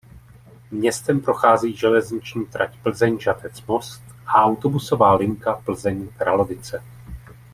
Městem prochází železniční trať Plzeň–Žatec–Most a autobusová linka Plzeň–Kralovice.